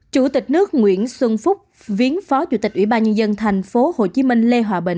chủ tịch nước nguyễn xuân phúc viếng phó chủ tịch ủy ban nhân dân tp hcm lê hòa bình